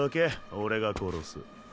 俺が殺す。